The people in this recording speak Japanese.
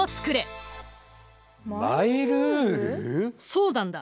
そうなんだ。